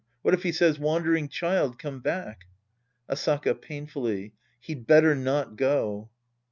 What if he says, " Wandering child, come back." Asaka {painfully). He'd better not go.